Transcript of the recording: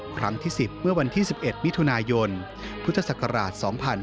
ครั้งที่๑๐เมื่อวันที่๑๑มิถุนายนพุทธศักราช๒๕๕๙